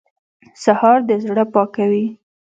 سهار د زړه پاکوي.